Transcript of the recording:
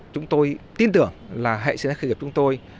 chúng tôi tin tưởng là hệ sinh thái khởi nghiệp chúng tôi